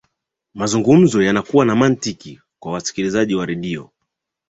mazungumzo yanakuwa na mantiki kwa wasikilizaji wa redio